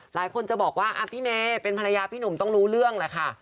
หลายคนจะบอกว่าพี่เมย์เป็นภรรยาพี่หนุ่มต้องรู้เรื่องแหละค่ะ